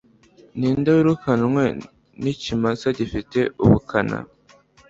ninde wirukanwe n'ikimasa gifite ubukana